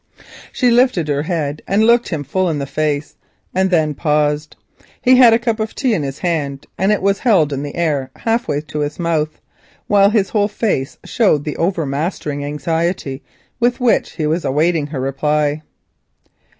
She lifted her head and looked him full in the face, and then paused. He had a cup of tea in his hand, and held it in the air half way to his mouth, while his whole face showed the over mastering anxiety with which he was awaiting her reply.